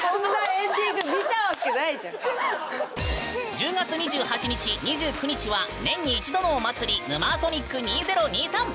１０月２８日２９日は年に一度のお祭り「ヌマーソニック２０２３」！